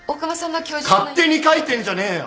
勝手に書いてんじゃねえよ。